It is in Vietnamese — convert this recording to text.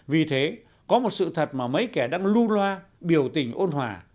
vì thế có một sự thật mà mấy kẻ đang lưu loa biểu tình ôn hòa